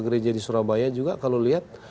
gereja di surabaya juga kalau lihat